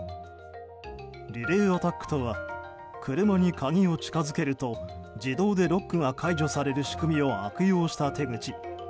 リレーアタックとは車に鍵を近づけると自動でロックが解除される仕組みを悪用した手口。